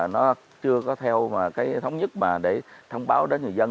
nó chưa có theo mà cái thống nhất mà để thông báo đến người dân